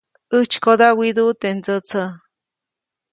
ʼÄjtsykoda widuʼu teʼ ndsätsä.